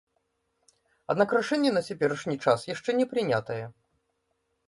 Аднак рашэнне на цяперашні час яшчэ не прынятае.